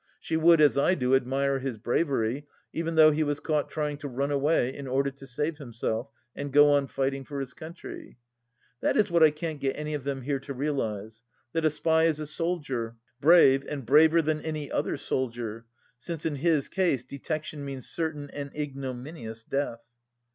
She would, as I do, admire his bravery, even though he was caught trying to run away in order to save himself and go on fighting for his country. That is what I can't get any of them here to realize, that a spy is a soldier, brave, and braver than any other soldier, since in his case detection means certain and ignominious death.